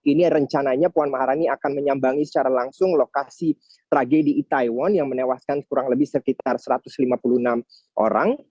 ini rencananya puan maharani akan menyambangi secara langsung lokasi tragedi itaewon yang menewaskan kurang lebih sekitar satu ratus lima puluh enam orang